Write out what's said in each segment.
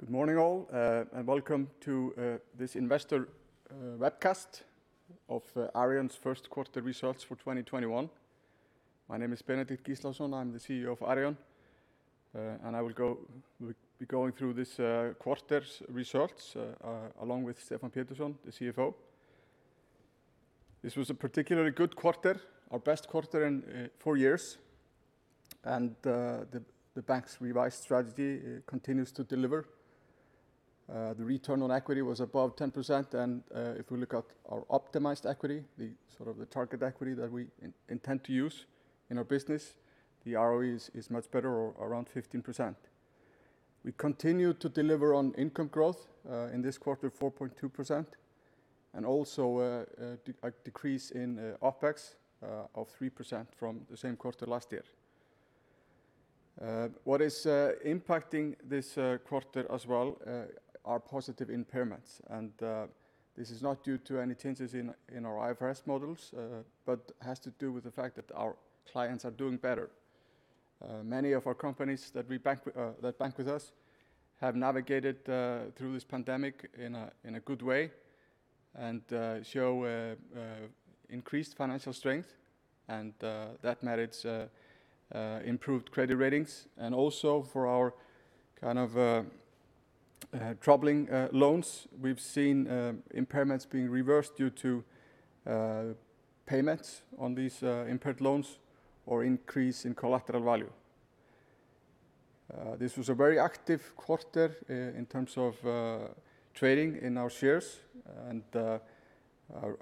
Good morning all, welcome to this investor webcast of Arion's first quarter results for 2021. My name is Benedikt Gíslason, I'm the CEO of Arion. I will be going through this quarter's results along with Stefán Pétursson, the CFO. This was a particularly good quarter, our best quarter in four years, and the bank's revised strategy continues to deliver. The return on equity was above 10%, and if we look at our optimized equity, the target equity that we intend to use in our business, the ROE is much better or around 15%. We continue to deliver on income growth. In this quarter, 4.2%, and also a decrease in OPEX of 3% from the same quarter last year. What is impacting this quarter as well are positive impairments. This is not due to any changes in our IFRS models, but has to do with the fact that our clients are doing better. Many of our companies that bank with us have navigated through this pandemic in a good way show increased financial strength, that merits improved credit ratings. Also for our troubling loans, we've seen impairments being reversed due to payments on these impaired loans or increase in collateral value. This was a very active quarter in terms of trading in our shares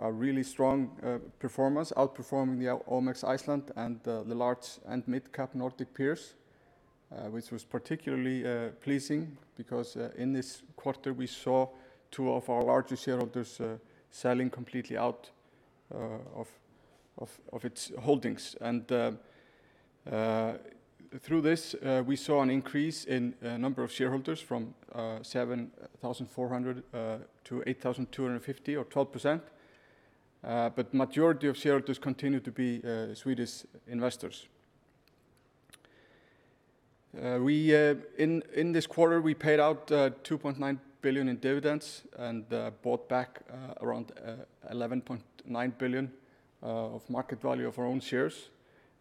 a really strong performance outperforming the OMX Iceland and the large and mid-cap Nordic peers which was particularly pleasing because in this quarter we saw two of our largest shareholders selling completely out of its holdings. Through this, we saw an increase in number of shareholders from 7,400-8,250 or 12%. Majority of shareholders continue to be Swedish investors. In this quarter, we paid out 2.9 billion in dividends and bought back around 11.9 billion of market value of our own shares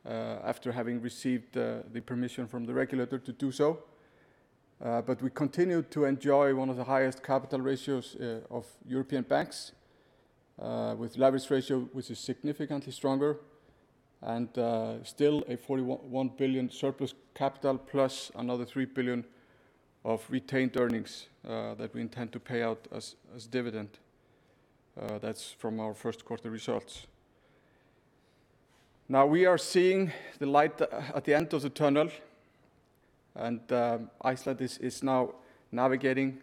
after having received the permission from the regulator to do so. We continue to enjoy one of the highest capital ratios of European banks with leverage ratio, which is significantly stronger and still a 41 billion surplus capital plus another 3 billion of retained earnings that we intend to pay out as dividend. That's from our first quarter results. We are seeing the light at the end of the tunnel, and Iceland is now navigating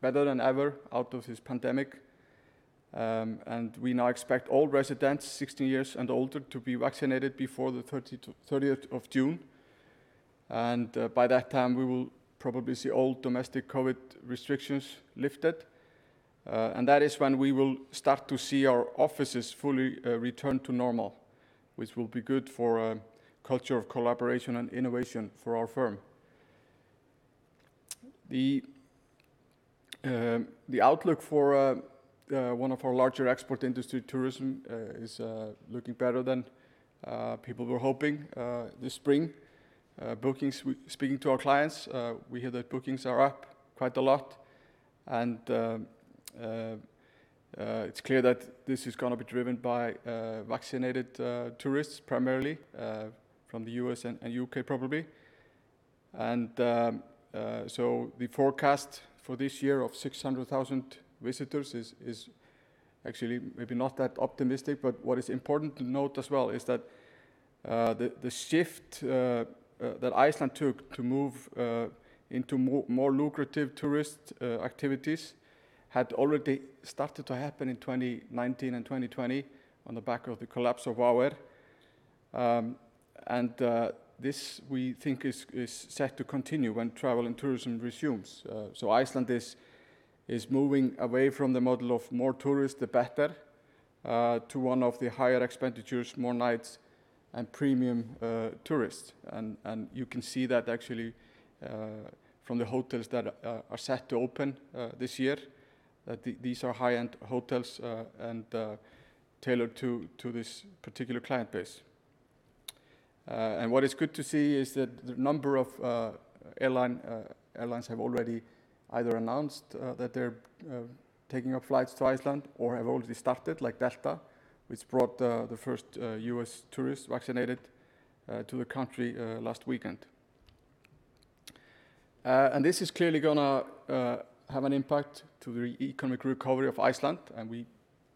better than ever out of this pandemic. We now expect all residents 60 years and older to be vaccinated before the 30th of June. By that time, we will probably see all domestic COVID restrictions lifted. That is when we will start to see our offices fully return to normal, which will be good for a culture of collaboration and innovation for our firm. The outlook for one of our larger export industry, tourism, is looking better than people were hoping this spring. Speaking to our clients, we hear that bookings are up quite a lot and it's clear that this is going to be driven by vaccinated tourists, primarily from the U.S. and U.K. probably. The forecast for this year of 600,000 visitors is actually maybe not that optimistic, but what is important to note as well is that the shift that Iceland took to move into more lucrative tourist activities had already started to happen in 2019 and 2020 on the back of the collapse of WOW air. This, we think, is set to continue when travel and tourism resumes. Iceland is moving away from the model of more tourists the better, to one of the higher expenditures, more nights and premium tourists. You can see that actually from the hotels that are set to open this year, that these are high-end hotels and tailored to this particular client base. What is good to see is that the number of airlines have already either announced that they're taking up flights to Iceland or have already started, like Delta, which brought the first U.S. tourists vaccinated to the country last weekend. This is clearly going to have an impact to the economic recovery of Iceland, and we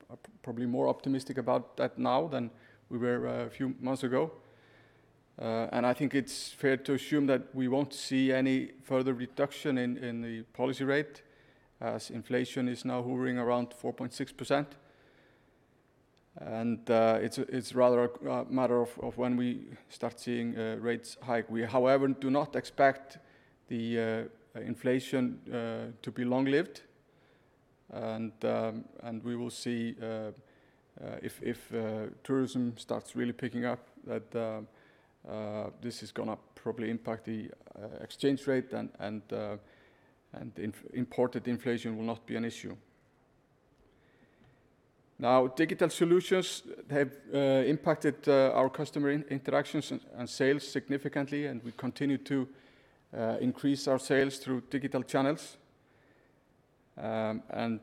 are probably more optimistic about that now than we were a few months ago. I think it's fair to assume that we won't see any further reduction in the policy rate as inflation is now hovering around 4.6%. It's rather a matter of when we start seeing rates hike. We, however, do not expect the inflation to be long-lived. We will see if tourism starts really picking up, that this is going to probably impact the exchange rate and imported inflation will not be an issue. Now, digital solutions have impacted our customer interactions and sales significantly, and we continue to increase our sales through digital channels, and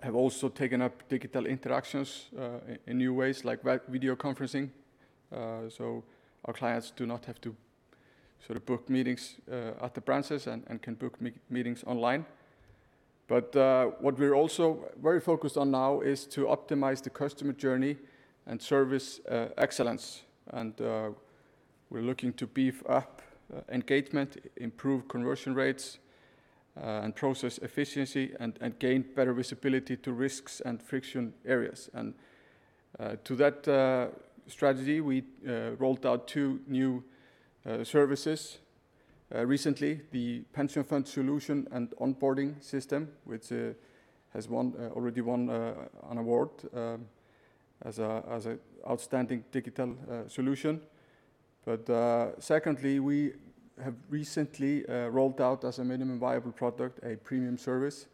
have also taken up digital interactions in new ways like video conferencing, so our clients do not have to book meetings at the branches and can book meetings online. What we're also very focused on now is to optimize the customer journey and service excellence. We're looking to beef up engagement, improve conversion rates and process efficiency, and gain better visibility to risks and friction areas. To that strategy, we rolled out two new services recently, the pension fund solution and onboarding system, which has already won an award as a outstanding digital solution. Secondly, we have recently rolled out as a minimum viable product, a premium service,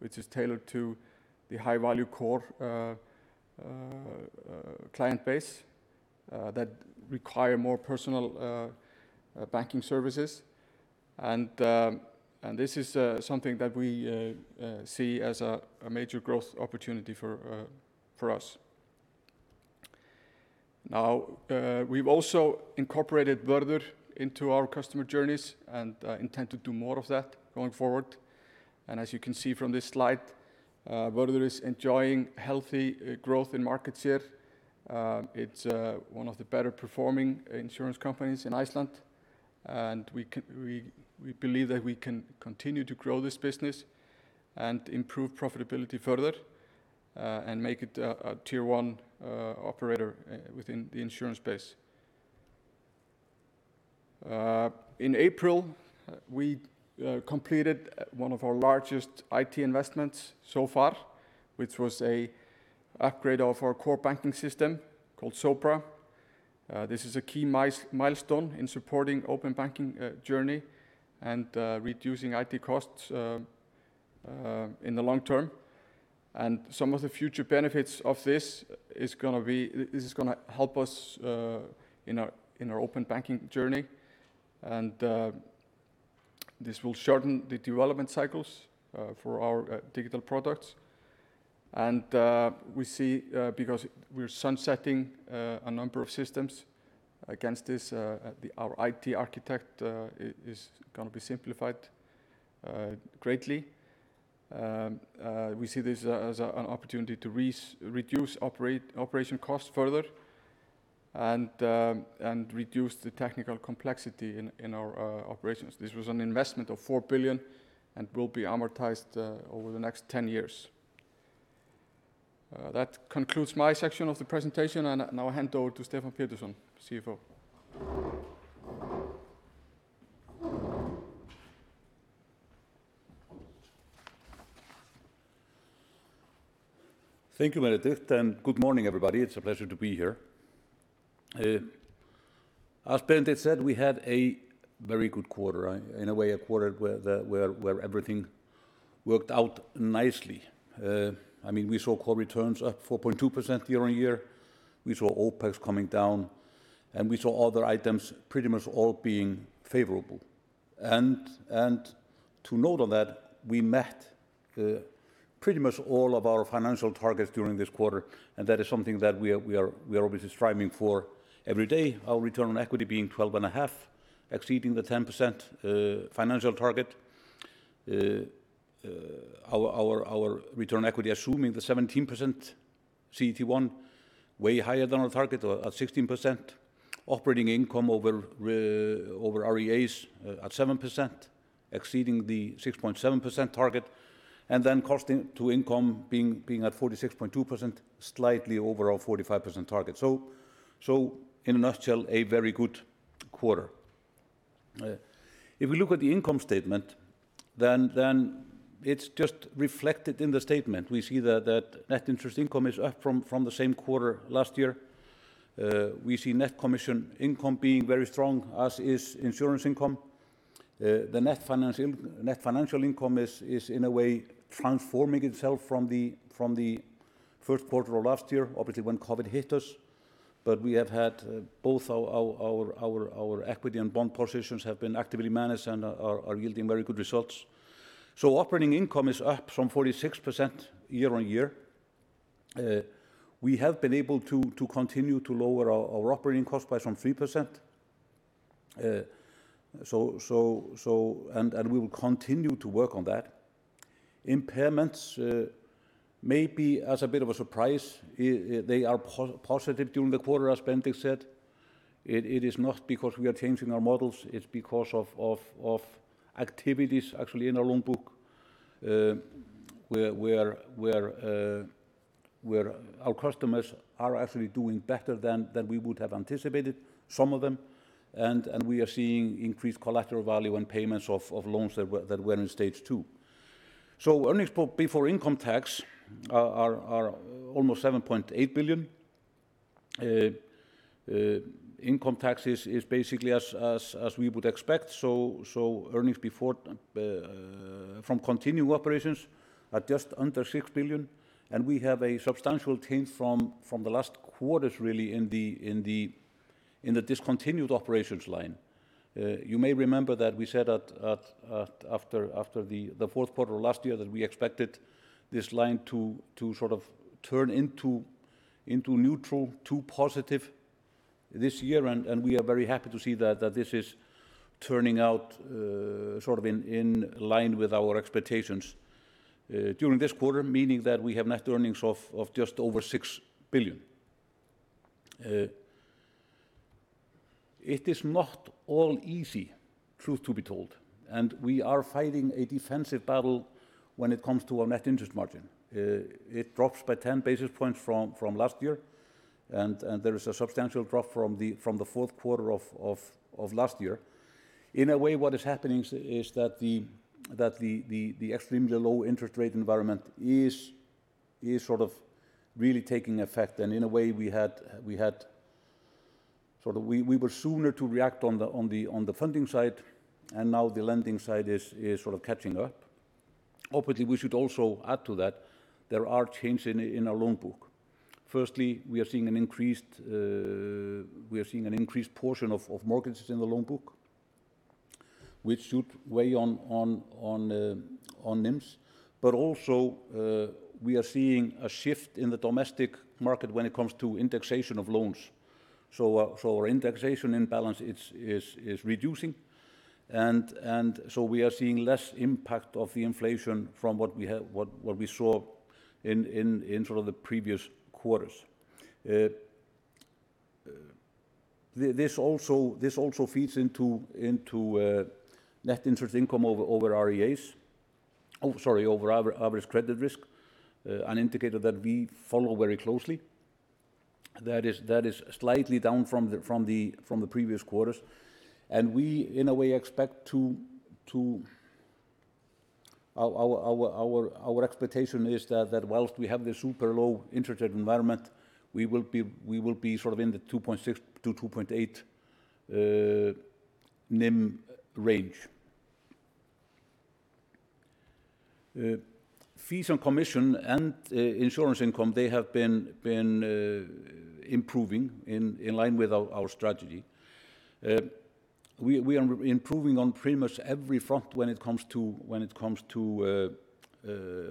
which is tailored to the high-value core client base that require more personal banking services. This is something that we see as a major growth opportunity for us. We've also incorporated Vörður into our customer journeys and intend to do more of that going forward. As you can see from this slide, Vörður is enjoying healthy growth in market share. It's one of the better performing insurance companies in Iceland, and we believe that we can continue to grow this business and improve profitability further, and make it a Tier 1 operator within the insurance space. In April, we completed one of our largest IT investments so far, which was an upgrade of our core banking system called Sopra. This is a key milestone in supporting open banking journey and reducing IT costs in the long term. Some of the future benefits of this is going to help us in our open banking journey. This will shorten the development cycles for our digital products. We see because we're sunsetting a number of systems against this, our IT architect is going to be simplified greatly. We see this as an opportunity to reduce operation costs further and reduce the technical complexity in our operations. This was an investment of 4 billion and will be amortized over the next 10 years. That concludes my section of the presentation. Now I hand over to Stefán Pétursson, CFO. Thank you, Benedikt, and good morning, everybody. It's a pleasure to be here. As Benedikt said, we had a very good quarter, in a way, a quarter where everything worked out nicely. We saw core returns up 4.2% year-on-year. We saw OPEX coming down, and we saw other items pretty much all being favorable. To note on that, we met pretty much all of our financial targets during this quarter, and that is something that we are obviously striving for every day. Our return on equity being 12.5%, exceeding the 10% financial target. Our return equity assuming the 17% CET1, way higher than our target at 16%. Operating income over REAs at 7%, exceeding the 6.7% target, and then cost-to-income being at 46.2%, slightly over our 45% target. In a nutshell, a very good quarter. If we look at the income statement, it's just reflected in the statement. We see that net interest income is up from the same quarter last year. We see net commission income being very strong, as is insurance income. The net financial income is in a way transforming itself from the first quarter of last year, obviously when COVID hit us. We have had both our equity and bond positions have been actively managed and are yielding very good results. Operating income is up some 46% year-over-year. We have been able to continue to lower our operating cost by some 3%, and we will continue to work on that. Impairments, maybe as a bit of a surprise, they are positive during the quarter, as Benedikt said. It is not because we are changing our models, it's because of activities actually in our loan book where our customers are actually doing better than we would have anticipated, some of them, and we are seeing increased collateral value and payments of loans that were in Stage 2. Earnings before income tax are almost 7.8 billion. Income tax is basically as we would expect. Earnings from continuing operations are just under 6 billion, and we have a substantial change from the last quarters, really, in the discontinued operations line. You may remember that we said after the fourth quarter of last year that we expected this line to turn into neutral to positive this year, and we are very happy to see that this is turning out in line with our expectations during this quarter, meaning that we have net earnings of just over 6 billion. It is not all easy, truth to be told, and we are fighting a defensive battle when it comes to our net interest margin. It drops by 10 basis points from last year, and there is a substantial drop from the fourth quarter of last year. In a way, what is happening is that the extremely low interest rate environment is really taking effect, and in a way, we were sooner to react on the funding side, and now the lending side is catching up. Obviously, we should also add to that there are changes in our loan book. Firstly, we are seeing an increased portion of mortgages in the loan book, which should weigh on NIMs. Also, we are seeing a shift in the domestic market when it comes to indexation of loans. Our indexation imbalance is reducing, we are seeing less impact of the inflation from what we saw in the previous quarters. This also feeds into net interest income over REAs. Over average credit risk, an indicator that we follow very closely that is slightly down from the previous quarters, and our expectation is that whilst we have this super low interest rate environment, we will be in the 2.6%-2.8% NIM range. Fees and commission and insurance income, they have been improving in line with our strategy. We are improving on pretty much every front when it comes to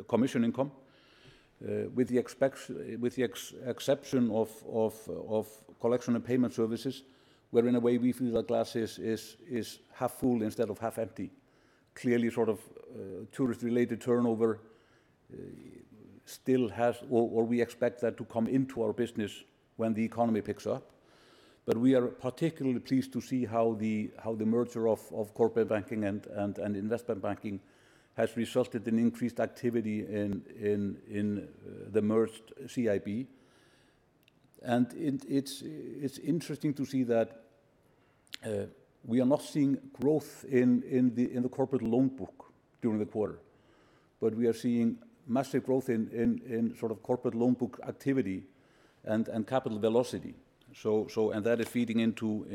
commission income, with the exception of collection and payment services, where in a way, we feel the glass is half full instead of half empty. Clearly, tourist-related turnover, we expect that to come into our business when the economy picks up. We are particularly pleased to see how the merger of corporate banking and investment banking has resulted in increased activity in the merged CIB. It's interesting to see that we are not seeing growth in the corporate loan book during the quarter, but we are seeing massive growth in corporate loan book activity and capital velocity, and that is feeding into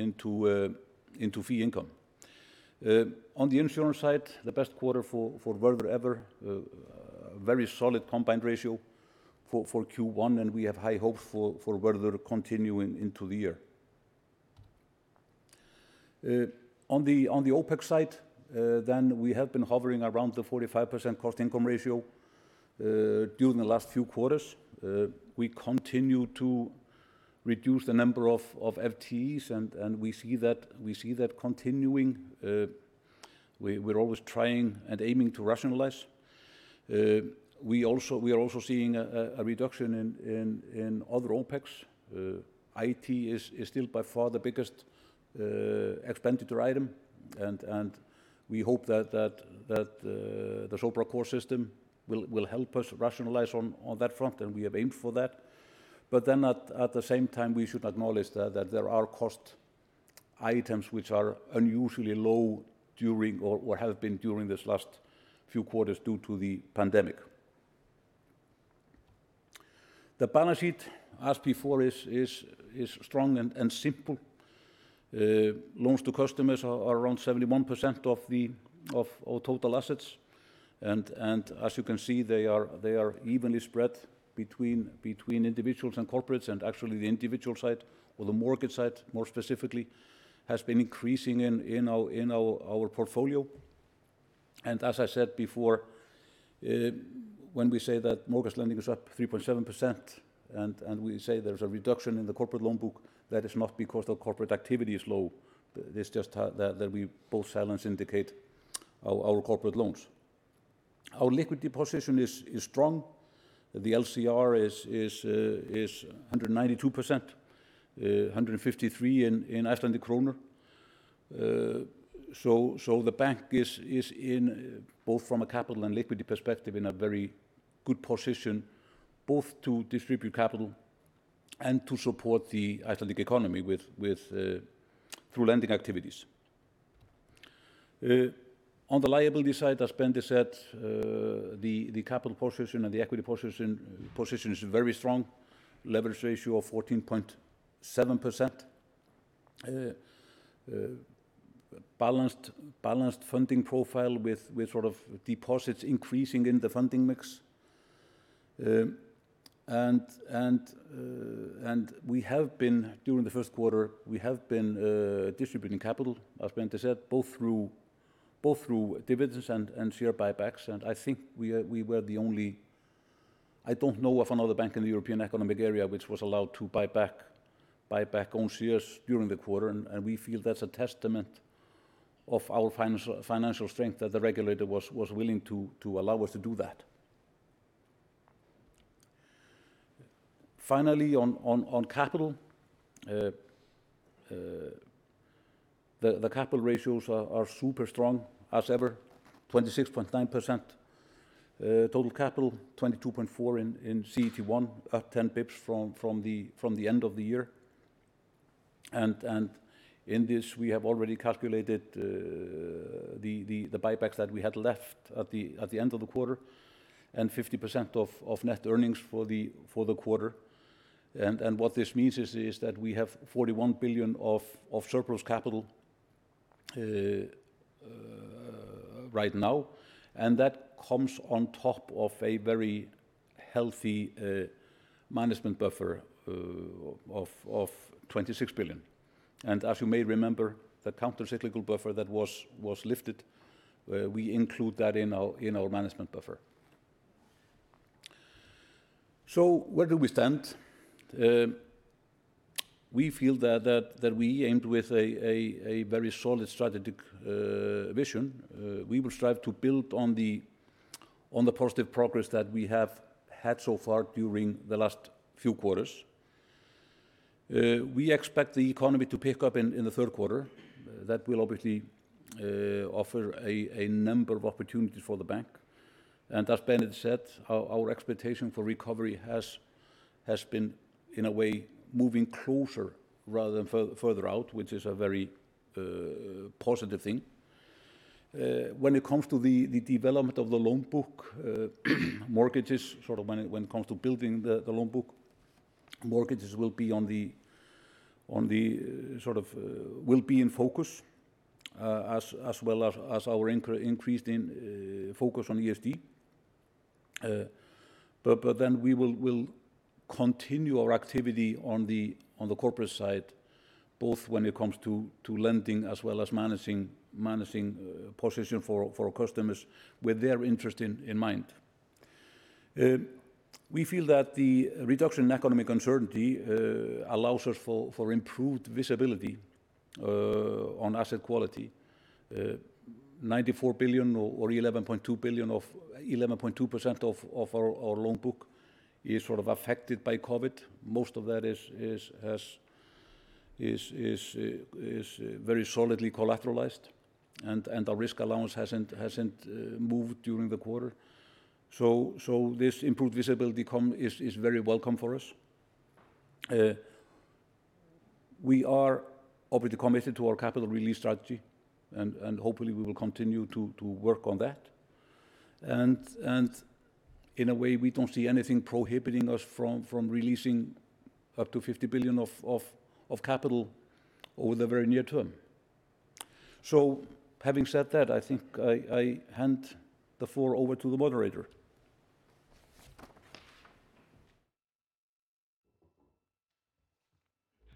fee income. On the insurance side, the best quarter for Vörður ever. A very solid combined ratio for Q1, and we have high hopes for Vörður continuing into the year. On the OpEx side, we have been hovering around the 45% cost-income ratio during the last few quarters. We continue to reduce the number of FTEs, and we see that continuing. We're always trying and aiming to rationalize. We are also seeing a reduction in other OpEx. IT is still by far the biggest expenditure item. We hope that the Sopra core system will help us rationalize on that front. We have aimed for that. At the same time, we should acknowledge that there are cost items which are unusually low or have been during these last few quarters due to the pandemic. The balance sheet, as before, is strong and simple. Loans to customers are around 71% of all total assets. As you can see, they are evenly spread between individuals and corporates. Actually, the individual side or the mortgage side, more specifically, has been increasing in our portfolio. As I said before, when we say that mortgage lending is up 3.7%. We say there's a reduction in the corporate loan book, that is not because the corporate activity is low. It's just that both sides indicate our corporate loans. Our liquidity position is strong. The LCR is 192%, ISK 153. The bank is, both from a capital and liquidity perspective, in a very good position, both to distribute capital and to support the Icelandic economy through lending activities. On the liability side, as Benedikt said, the capital position and the equity position is very strong. Leverage ratio of 14.7%. Balanced funding profile with deposits increasing in the funding mix. During the first quarter, we have been distributing capital, as Benedikt said, both through dividends and share buybacks. I think we were the only I don't know of another bank in the European Economic Area which was allowed to buy back own shares during the quarter, and we feel that's a testament of our financial strength that the regulator was willing to allow us to do that. Finally, on capital. The capital ratios are super strong as ever. 26.9% total capital, 22.4% in CET1, up 10 basis points from the end of the year. In this, we have already calculated the buybacks that we had left at the end of the quarter, and 50% of net earnings for the quarter. What this means is that we have 41 billion of surplus capital right now, and that comes on top of a very healthy management buffer of 26 billion. As you may remember, the countercyclical buffer that was lifted, we include that in our management buffer. Where do we stand? We feel that we aimed with a very solid strategic vision. We will strive to build on the positive progress that we have had so far during the last few quarters. We expect the economy to pick up in the third quarter. That will obviously offer a number of opportunities for the bank. As Benedikt said, our expectation for recovery has been, in a way, moving closer rather than further out, which is a very positive thing. When it comes to the development of the loan book, mortgages, when it comes to building the loan book, mortgages will be in focus, as well as our increase in focus on ESG. We will continue our activity on the corporate side, both when it comes to lending as well as managing position for our customers with their interest in mind. We feel that the reduction in economic uncertainty allows us for improved visibility on asset quality. 94 billion or 11.2% of our loan book is affected by COVID. Most of that is very solidly collateralized, and our risk allowance hasn't moved during the quarter. This improved visibility is very welcome for us. We are obviously committed to our capital release strategy, and hopefully we will continue to work on that. In a way, we don't see anything prohibiting us from releasing up to 50 billion of capital over the very near term. Having said that, I think I hand the floor over to the moderator.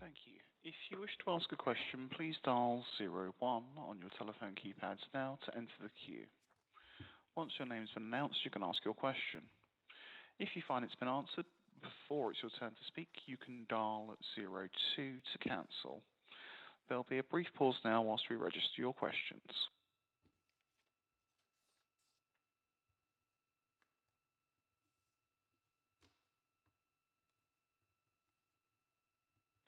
Thank you. If you wish to ask a question, please dial zero one on your telephone keypads now to enter the queue. Once your name has been announced, you can ask your question. If you find it's been answered before it's your turn to speak, you can dial zero two to cancel. There'll be a brief pause now while we register your questions.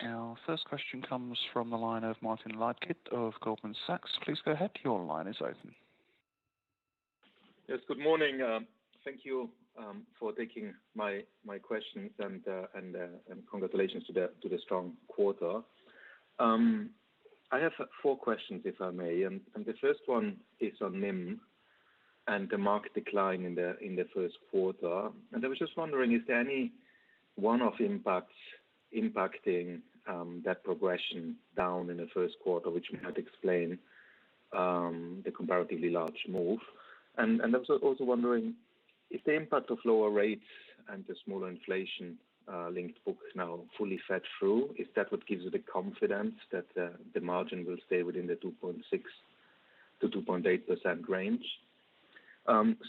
Our first question comes from the line of Martin Leitgeb of Goldman Sachs. Please go ahead. Your line is open. Yes, good morning. Thank you for taking my questions, congratulations to the strong quarter. I have four questions, if I may. The first one is on NIM and the margin decline in the first quarter. I was just wondering, is there any one-off impacts impacting that progression down in the first quarter, which might explain the comparatively large move? I was also wondering, is the impact of lower rates and the smaller inflation-linked book now fully fed through? Is that what gives you the confidence that the margin will stay within the 2.6%-2.8% range?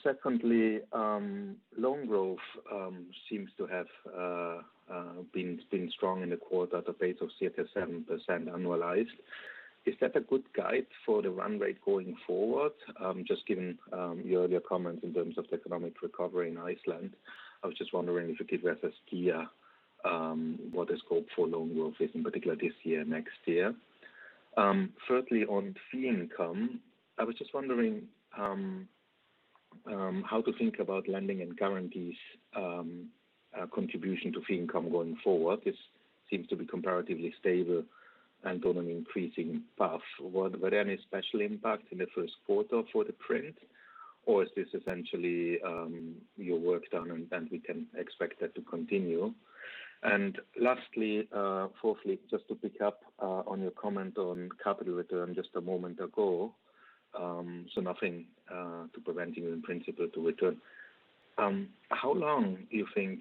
Secondly, loan growth seems to have been strong in the quarter at a pace of 6% or 7% annualized. Is that a good guide for the run rate going forward? Just given your earlier comments in terms of the economic recovery in Iceland, I was just wondering if it gives us a steer what the scope for loan growth is, in particular this year, next year? Thirdly, on fee income, I was just wondering how to think about lending and guarantees contribution to fee income going forward? This seems to be comparatively stable and on an increasing path. Were there any special impact in the first quarter for the print, or is this essentially your work done and we can expect that to continue? Lastly, fourthly, just to pick up on your comment on capital return just a moment ago, so nothing to prevent you in principle to return. How long do you think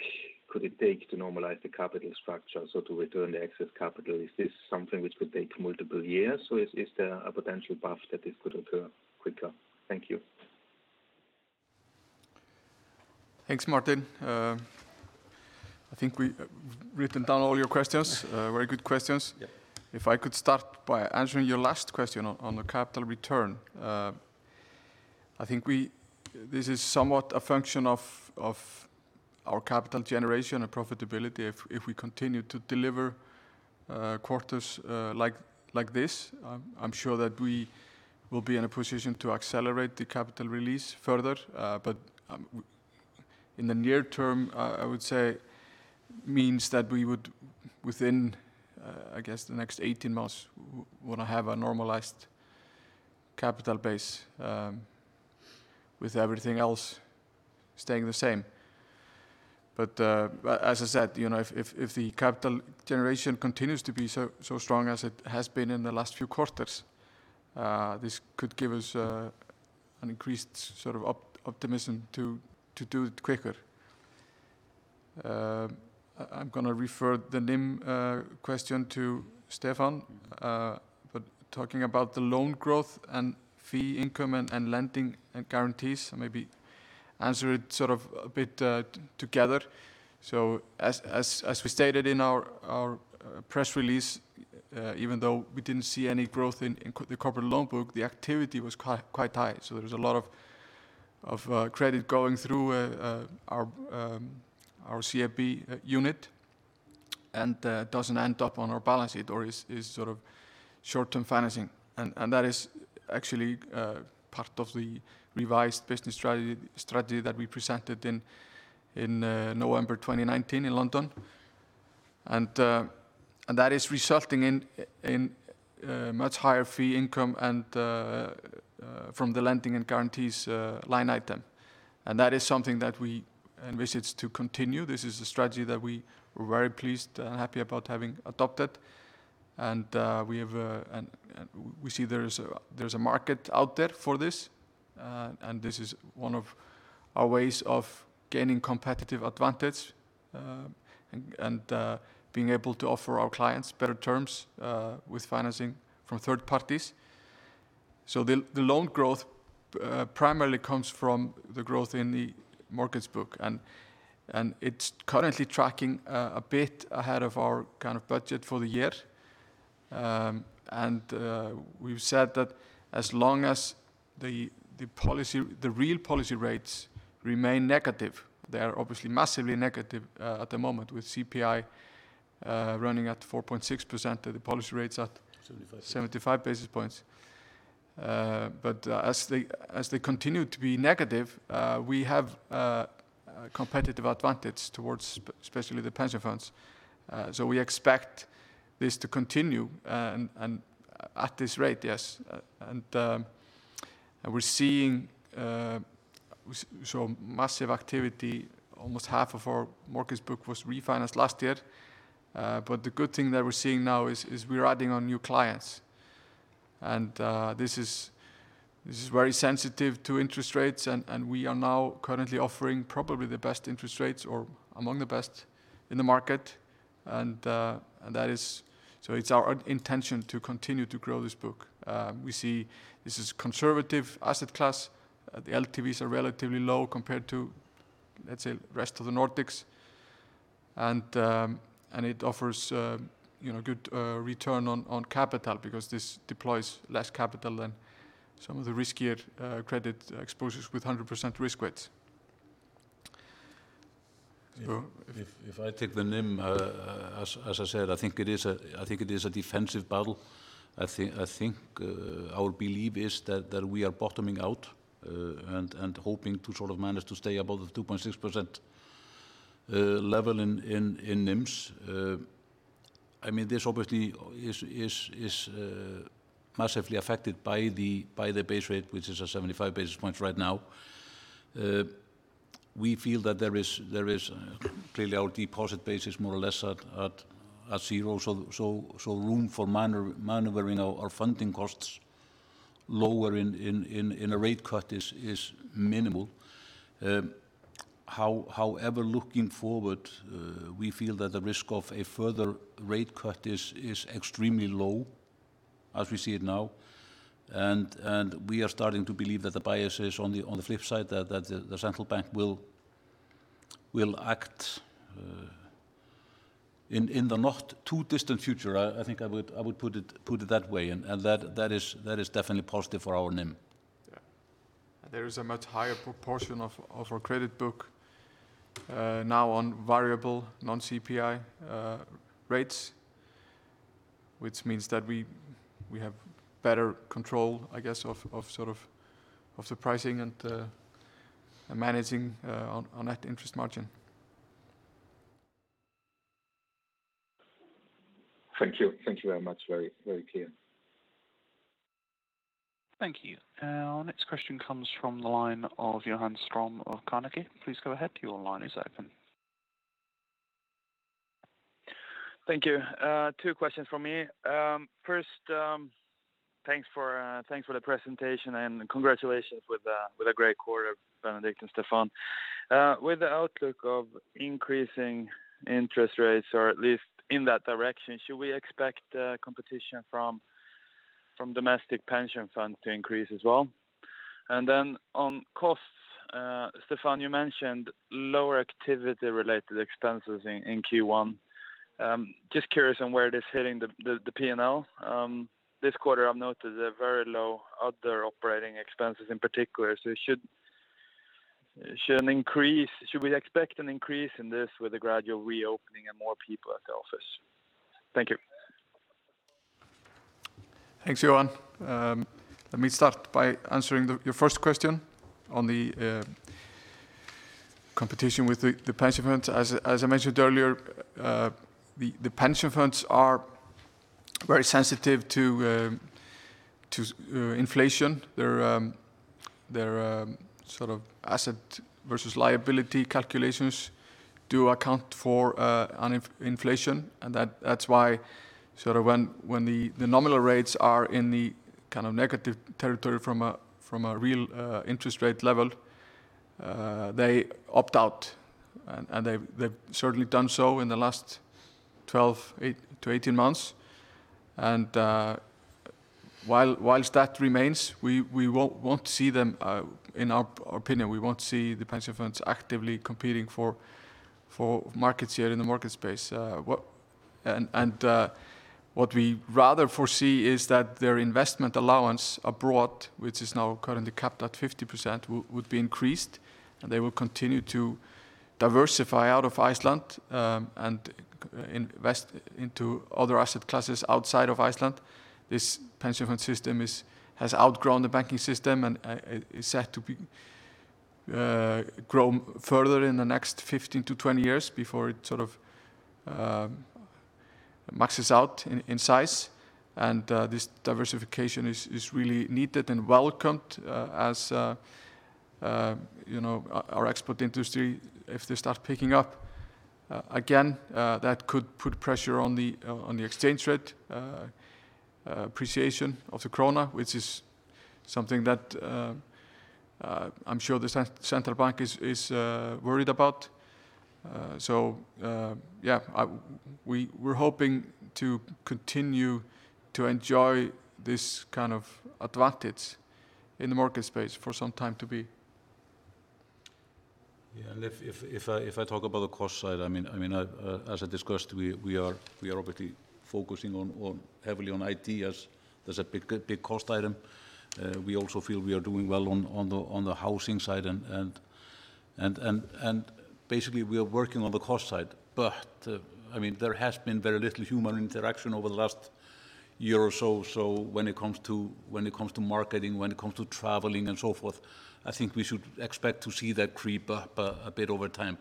could it take to normalize the capital structure, so to return the excess capital? Is this something which would take multiple years, or is there a potential path that this could occur quicker? Thank you. Thanks, Martin. I think we've written down all your questions. Very good questions. Yeah. If I could start by answering your last question on the capital return. I think this is somewhat a function of our capital generation and profitability. If we continue to deliver quarters like this, I'm sure that we will be in a position to accelerate the capital release further. In the near term, I would say means that we would, within I guess the next 18 months, want to have a normalized capital base with everything else staying the same. As I said, if the capital generation continues to be so strong as it has been in the last few quarters, this could give us an increased optimism to do it quicker. I'm going to refer the NIM question to Stefán. Talking about the loan growth and fee income and lending and guarantees, I maybe answer it a bit together. As we stated in our press release, even though we didn't see any growth in the corporate loan book, the activity was quite high. There was a lot of credit going through our CIB unit, and doesn't end up on our balance sheet or is short-term financing. That is actually part of the revised business strategy that we presented in November 2019 in London. That is resulting in much higher fee income and from the lending and guarantees line item. That is something that we envisage to continue. This is a strategy that we were very pleased and happy about having adopted. We see there's a market out there for this, and this is one of our ways of gaining competitive advantage, and being able to offer our clients better terms with financing from third parties. The loan growth primarily comes from the growth in the markets book, and it's currently tracking a bit ahead of our budget for the year. We've said that as long as the real policy rates remain negative, they are obviously massively negative at the moment with CPI running at 4.6%, the policy rate's at. 75. 75 basis points. As they continue to be negative, we have a competitive advantage towards especially the pension funds. We expect this to continue and at this rate, yes. We're seeing massive activity. Almost half of our markets book was refinanced last year. The good thing that we're seeing now is we're adding on new clients. This is very sensitive to interest rates, and we are now currently offering probably the best interest rates or among the best in the market. It's our intention to continue to grow this book. We see this is conservative asset class. The LTVs are relatively low compared to, let's say, rest of the Nordics. It offers good return on capital because this deploys less capital than some of the riskier credit exposures with 100% risk weights. If I take the NIM, as I said, I think it is a defensive battle. Our belief is that we are bottoming out, and hoping to manage to stay above the 2.6% level in NIMs. This obviously is massively affected by the base rate, which is at 75 basis points right now. We feel that there is clearly our deposit base is more or less at zero, so room for maneuvering our funding costs lower in a rate cut is minimal. However, looking forward, we feel that the risk of a further rate cut is extremely low as we see it now, and we are starting to believe that the bias is on the flip side, that the Central Bank will act in the not too distant future. I think I would put it that way, and that is definitely positive for our NIM There is a much higher proportion of our credit book now on variable non-CPI rates, which means that we have better control, I guess, of the pricing and managing on that interest margin. Thank you. Thank you very much. Very clear. Thank you. Our next question comes from the line of Johan Ström of Carnegie. Please go ahead. Your line is open. Thank you. Two questions from me. First, thanks for the presentation and congratulations with a great quarter, Benedikt and Stefán. With the outlook of increasing interest rates, or at least in that direction, should we expect competition from domestic pension funds to increase as well? Then on costs, Stefán, you mentioned lower activity related expenses in Q1. Just curious on where it is hitting the P&L. This quarter, I've noticed a very low other operating expenses in particular. Should we expect an increase in this with the gradual reopening and more people at the office? Thank you. Thanks, Johan. Let me start by answering your first question on the competition with the pension funds. As I mentioned earlier, the pension funds are very sensitive to inflation. Their asset versus liability calculations do account for inflation, and that's why when the nominal rates are in the negative territory from a real interest rate level, they opt out. They've certainly done so in the last 12-18 months. Whilst that remains, in our opinion, we won't see the pension funds actively competing for markets hare in the mortgage space. What we rather foresee is that their investment allowance abroad, which is now currently capped at 50%, would be increased, and they will continue to diversify out of Iceland and invest into other asset classes outside of Iceland. This pension fund system has outgrown the banking system and is set to grow further in the next 15-20 years before it maxes out in size. This diversification is really needed and welcomed as our export industry, if they start picking up again, that could put pressure on the exchange rate appreciation of the krona, which is something that I'm sure the Central Bank is worried about. Yeah. We're hoping to continue to enjoy this kind of advantage in the market space for some time to be. Yeah, if I talk about the cost side, as I discussed, we are obviously focusing heavily on IT, as that's a big cost item. We also feel we are doing well on the housing side and basically, we are working on the cost side. There has been very little human interaction over the last year or so when it comes to marketing, when it comes to traveling and so forth, I think we should expect to see that creep up a bit over time.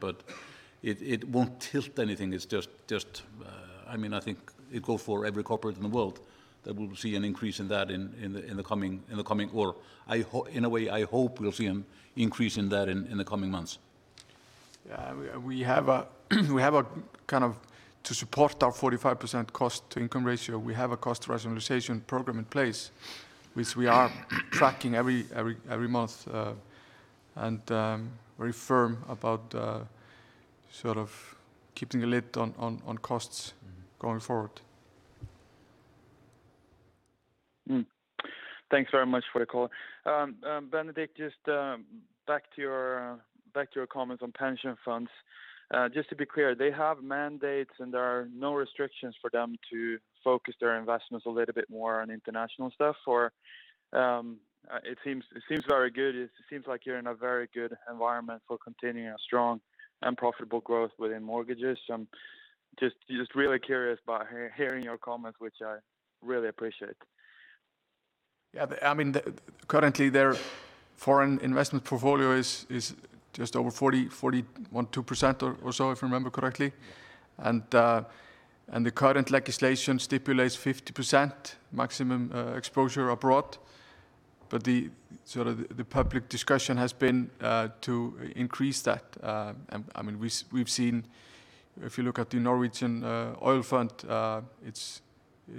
It won't tilt anything. I think it goes for every corporate in the world that we will see an increase in that in the coming quarter. In a way, I hope we'll see an increase in that in the coming months. Yeah. To support our 45% cost-income ratio, we have a cost rationalization program in place, which we are tracking every month and very firm about keeping a lid on costs going forward. Thanks very much for the call. Benedikt, just back to your comments on pension funds. Just to be clear, they have mandates and there are no restrictions for them to focus their investments a little bit more on international stuff, or it seems very good. It seems like you're in a very good environment for continuing a strong and profitable growth within mortgages. Just really curious about hearing your comments, which I really appreciate. Yeah. Currently, their foreign investment portfolio is just over 41, 42% or so, if I remember correctly. The current legislation stipulates 50% maximum exposure abroad, but the public discussion has been to increase that. If you look at the Government Pension Fund Global, it's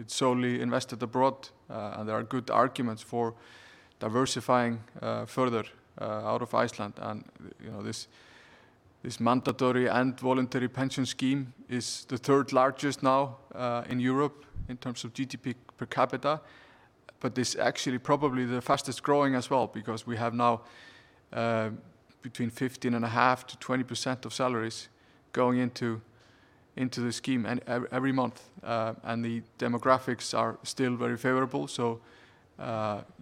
solely invested abroad. There are good arguments for diversifying further out of Iceland. This mandatory and voluntary pension scheme is the third largest now in Europe in terms of GDP per capita. It's actually probably the fastest growing as well because we have now between 15.5%-20% of salaries going into the scheme every month. The demographics are still very favorable, so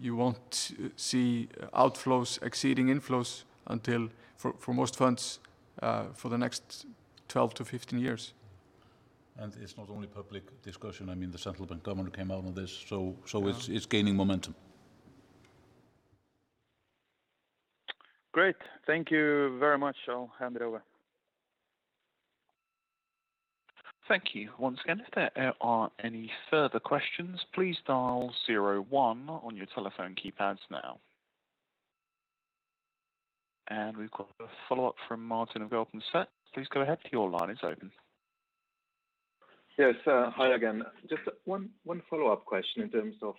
you won't see outflows exceeding inflows until, for most funds, for the next 12-15 years. It's not only public discussion. The Central Bank Governor came out on this. It's gaining momentum. Great. Thank you very much. I'll hand it over. Thank you once again. If there are any further questions, please dial zero one on your telephone keypads now. We've got a follow-up from Martin of Goldman Sachs. Please go ahead. Your line is open. Yes. Hi again. Just one follow-up question in terms of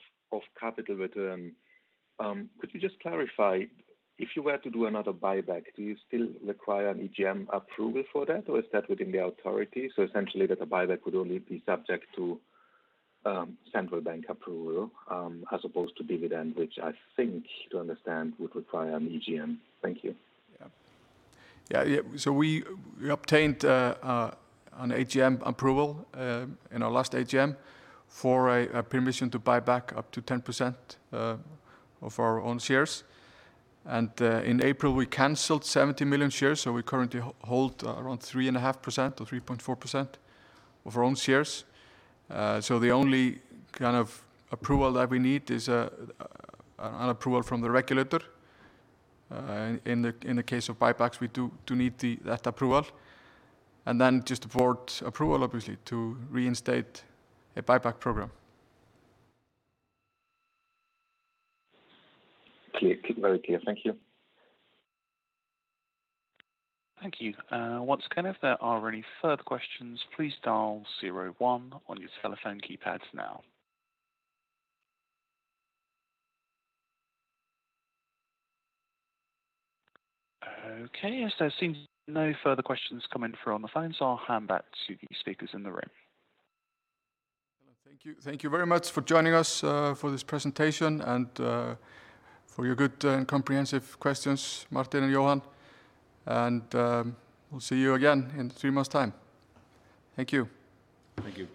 capital return. Could you just clarify, if you were to do another buyback, do you still require an AGM approval for that, or is that within the authority? Essentially that a buyback would only be subject to Central Bank approval as opposed to dividend, which I think, to understand, would require an AGM. Thank you. Yeah. We obtained an AGM approval in our last AGM for a permission to buy back up to 10% of our own shares. In April, we canceled 70 million shares, we currently hold around 3.5% or 3.4% of our own shares. The only kind of approval that we need is an approval from the regulator. In the case of buybacks, we do need that approval. Just the board approval, obviously, to reinstate a buyback program. Clear. Very clear. Thank you. Thank you. Once again, if there are any further questions, please dial zero one on your telephone keypads now. Okay. As there seems no further questions coming through on the phone, I'll hand back to the speakers in the room. Thank you. Thank you very much for joining us for this presentation and for your good and comprehensive questions, Martin and Johan, and we'll see you again in three months' time. Thank you. Thank you.